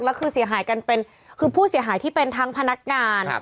แล้วคือเสียหายกันเป็นคือผู้เสียหายที่เป็นทั้งพนักงาน